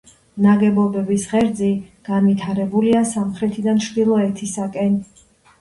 ნაგებობის ღერძი განვითარებულია სამხრეთიდან ჩრდილოეთისაკენ.